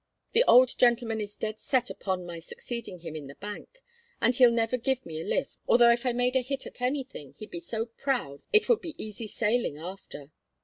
The old gentleman is dead set upon my succeeding him in the bank, and he'd never give me a lift, although if I made a hit at anything he'd be so proud it would be easy sailing after.